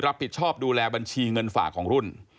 รับผิดชอบดูแลบัญชีเงินฝากของรุ่น